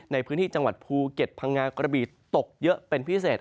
ในพื้นที่จังหวัดภูเก็ตพังงากระบีตกเยอะเป็นพิเศษ